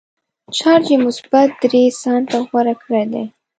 چارج یې مثبت درې ځانته غوره کړی دی.